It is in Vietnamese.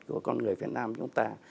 của con người việt nam chúng ta